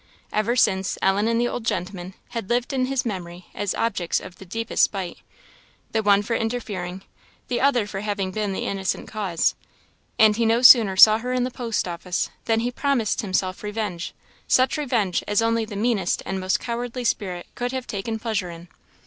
Ever since, Ellen and the old gentleman had lived in his memory as objects of the deepest spite, the one for interfering, the other for having been the innocent cause; and he no sooner saw her in the post office, than he promised himself revenge, such revenge as only the meanest and most cowardly spirit could have taken pleasure in.